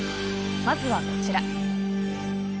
まずはこちら。